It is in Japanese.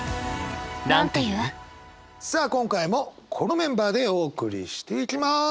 さあ今回もこのメンバーでお送りしていきます。